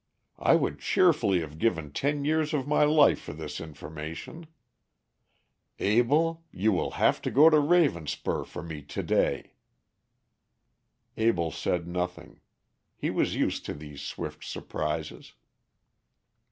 "I would cheerfully have given ten years of my life for this information. Abell, you will have to go to Ravenspur for me to day." Abell said nothing. He was used to these swift surprises.